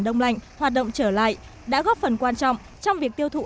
đồng thời để giữ vững ngư trường của tổ quốc